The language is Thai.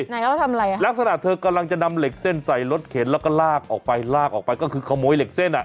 ไหนเขาทำอะไรอ่ะลักษณะเธอกำลังจะนำเหล็กเส้นใส่รถเข็นแล้วก็ลากออกไปลากออกไปก็คือขโมยเหล็กเส้นอ่ะ